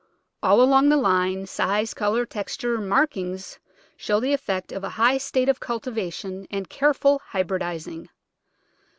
All along the line, size, colour, texture, markings show the effect of a high state of cultiva tion and careful hybridising.